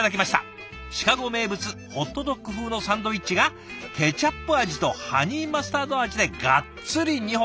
シカゴ名物ホットドッグ風のサンドイッチがケチャップ味とハニーマスタード味でガッツリ２本！